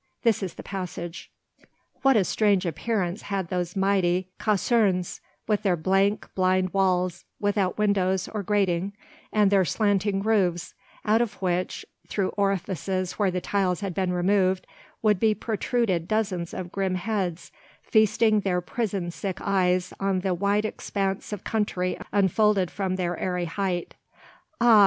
This is the passage— "What a strange appearance had those mighty casernes, with their blank, blind walls, without windows or grating, and their slanting roofs, out of which, through orifices where the tiles had been removed, would be protruded dozens of grim heads, feasting their prison sick eyes on the wide expanse of country unfolded from their airy height. Ah!